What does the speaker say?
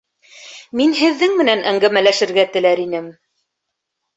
Мин һеҙҙең менән әңгәмәләшергә теләр инем!